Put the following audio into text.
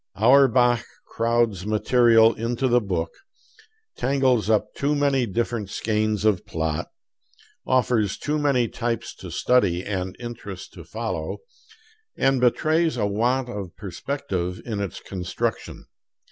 Auerbach crowds material into the book, tangles up too many different skeins of plot, offers too many types to study and interests to follow, and betrays a want of perspective in its construction.